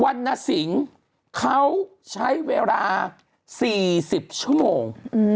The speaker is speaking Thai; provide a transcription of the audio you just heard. วันนสิงห์เขาใช้เวลา๔๐ชั่วโมง